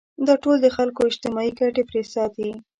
دا ټول د خلکو اجتماعي ګټې پرې ساتي.